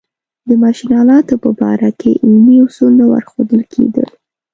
د ماشین آلاتو په باره کې علمي اصول نه ورښودل کېدل.